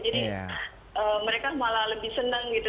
jadi mereka malah lebih seneng gitu